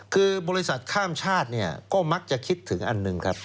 คือบริษัทข้ามชาติเนี่ยก็มักจะคิดถึงอันหนึ่งครับ